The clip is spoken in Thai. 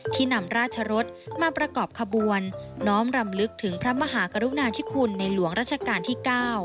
ที่นำราชรสมาประกอบขบวนน้อมรำลึกถึงพระมหากรุณาธิคุณในหลวงราชการที่๙